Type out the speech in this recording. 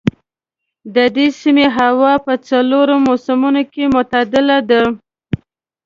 د دې سیمې هوا په څلورو موسمونو کې معتدله ده.